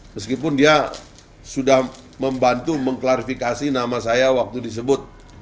meskipun dia sudah membantu mengklarifikasi nama saya waktu disebut